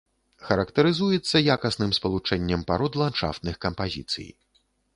Характарызуецца якасным спалучэннем парод ландшафтных кампазіцый.